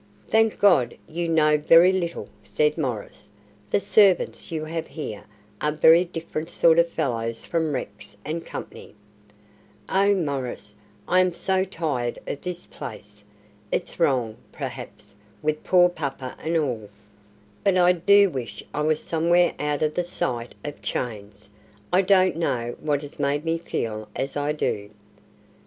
"Thank God, you know very little," said Maurice. "The servants you have here are very different sort of fellows from Rex and Company." "Oh, Maurice, I am so tired of this place. It's wrong, perhaps, with poor papa and all, but I do wish I was somewhere out of the sight of chains. I don't know what has made me feel as I do."